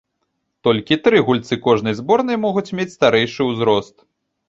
Толькі тры гульцы кожнай зборнай могуць мець старэйшы узрост.